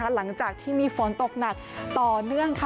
หลังจากที่มีฝนตกหนักต่อเนื่อง